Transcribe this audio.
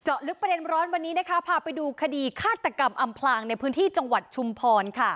ลึกประเด็นร้อนวันนี้นะคะพาไปดูคดีฆาตกรรมอำพลางในพื้นที่จังหวัดชุมพร